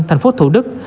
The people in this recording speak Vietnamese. thành phố thủ đức